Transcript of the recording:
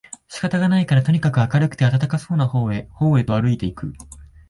仕方がないからとにかく明るくて暖かそうな方へ方へとあるいて行く